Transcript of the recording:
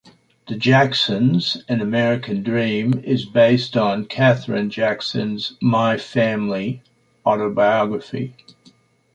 "The Jacksons: An American Dream" is based on Katherine Jackson's "My Family" autobiography.